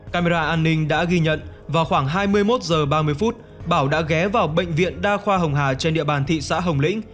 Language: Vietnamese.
camera an ninh đã ghi nhận vào khoảng hai mươi một h ba mươi phút bảo đã ghé vào bệnh viện đa khoa hồng hà trên địa bàn thị xã hồng lĩnh